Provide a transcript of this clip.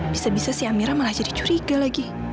bisa bisa si amirah malah jadi curiga lagi